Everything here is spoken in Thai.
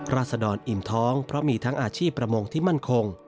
ราศดรอิ่มท้องเพราะมีทั้งอาชีพประมงที่มั่นคง